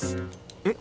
えっ？